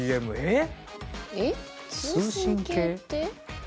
通信系って？